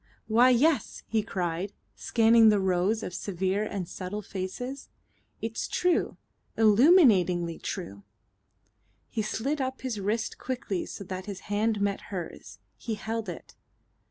"Why, yes," he cried, scanning the rows of severe and subtle faces. "It's true. Illuminatingly true." He slid up his wrist quickly so that his hand met hers; he held it.